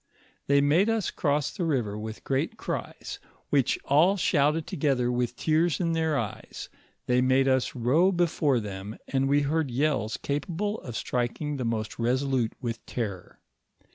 They made us cross the river with great cries, which all shouted together with tears in their eyes ; they made us row before them, and we heard yells capable of striking the most resolute with terror.